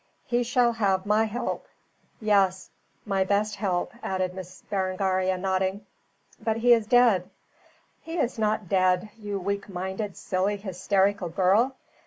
He shall have my help yes, my best help," added Miss Berengaria nodding. "But he is dead." "He is not dead, you weak minded, silly, hysterical girl.